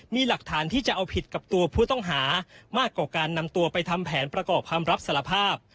มีหลักฐานที่จะเอาผิดกับตัวผู้ต้องหามากกว่าการนำตัวไปทำแผนประกอบคำรับสารภาพ